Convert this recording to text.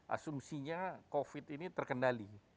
asumsinya covid ini terkendali